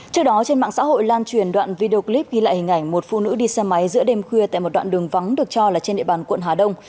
trước đó trên mạng xã hội lan truyền đoạn video clip ghi lại hình ảnh một phụ nữ đi xe máy giữa đêm khuya tại một đoạn đường vắng được cho là trên địa bàn quận hà đông